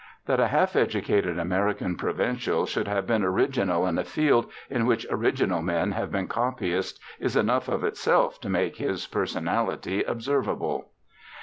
That a half educated American provincial should have been original in a field in which original men have been copyists is enough of itself to make his personality observable.